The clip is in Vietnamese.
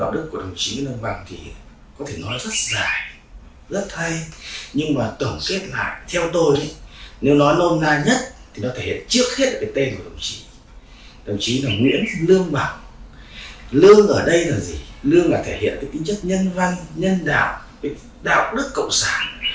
đấy là cái tên của đồng chí đồng chí là nguyễn lương bằng lương ở đây là gì lương là thể hiện cái kinh chất nhân văn nhân đạo đạo đức cộng sản